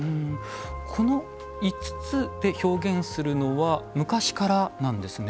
この５つで表現するのは昔からなんですね。